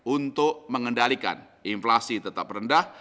untuk mengendalikan inflasi tetap rendah